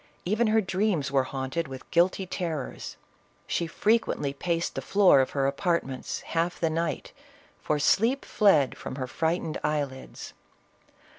Even her dreams were haunted with guilty terrors; she frequently paced the floor of her apartments, half the night, for sleep fled from her frightened eyelids.